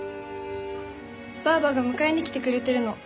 ばあばが迎えに来てくれてるの。